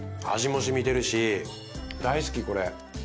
味も染みてるし大好きこれ。